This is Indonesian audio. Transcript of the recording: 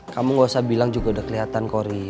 kamu gak usah bilang juga udah keliatan kok ri